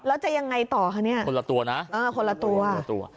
แล้วจะยังไงต่อคะเนี่ยคนละตัวนะเออคนละตัวคนละตัว